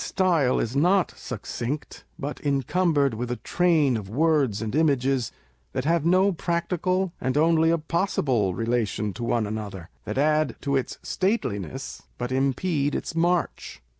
> style is not succinct, but incumbered with a train of words and images that have no practical, and only a possible relation to one another â€" that add to its stateliness, but impede its march.